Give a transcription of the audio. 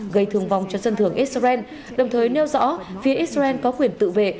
gây thương vong cho dân thường israel đồng thời nêu rõ phía israel có quyền tự vệ